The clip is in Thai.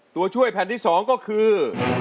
ตัวช่วยแผ่นที่๒ก็คือ